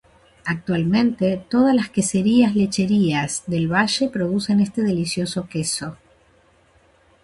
Actualmente, todas las queserías-lecherías del valle producen este delicioso queso.